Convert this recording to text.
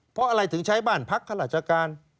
เพราะอะไรถึงใช้บ้านพักข้าราชการ